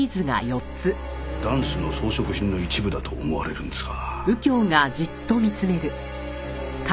ダンスの装飾品の一部だと思われるんですが。